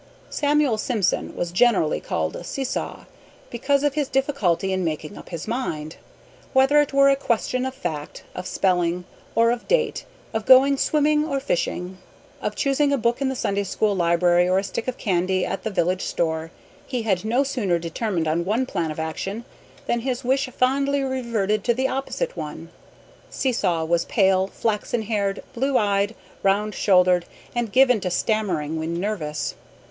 Samuel Simpson was generally called Seesaw, because of his difficulty in making up his mind. Whether it were a question of fact, of spelling, or of date, of going swimming or fishing, of choosing a book in the Sunday school library or a stick of candy at the village store, he had no sooner determined on one plan of action than his wish fondly reverted to the opposite one. Seesaw was pale, flaxen haired, blue eyed, round shouldered, and given to stammering when nervous.